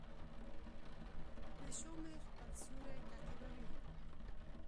پیشو مې خپل سیوری تعقیبوي.